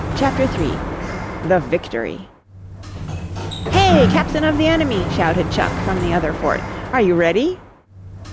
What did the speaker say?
] CHAPTER III THE VICTORY "Hey, Captain of the enemy!" shouted Chuck from the other fort, "are you ready?"